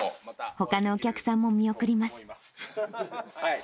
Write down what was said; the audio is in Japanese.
ほかのお客さんも見送ります。